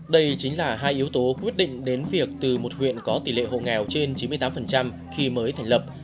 đây chính là hai yếu tố quyết định đến việc từ một huyện có tỷ lệ hộ nghèo trên chín mươi tám khi mới thành lập